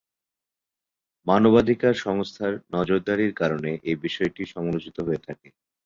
মানবাধিকার সংস্থার নজরদারির কারণে এই বিষয়টি সমালোচিত হয়ে থাকে।